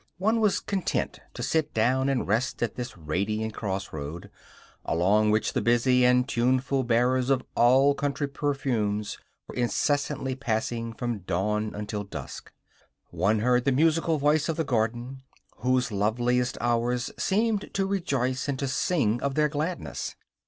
One was content to sit down and rest at this radiant cross road, along which the busy and tuneful bearers of all country perfumes were incessantly passing from dawn until dusk. One heard the musical voice of the garden, whose loveliest hours seemed to rejoice and to sing of their gladness.